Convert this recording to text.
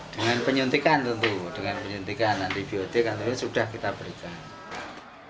dengan penyuntikan tentu dengan penyuntikan antibiotik atau sudah kita berikan